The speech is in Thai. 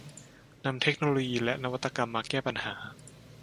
นำเทคโนโลยีและนวัตกรรมมาแก้ปัญหา